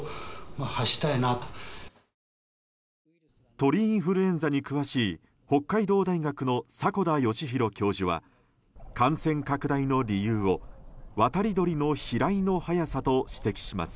鳥インフルエンザに詳しい北海道大学の迫田義博教授は感染拡大の理由を、渡り鳥の飛来の早さと指摘します。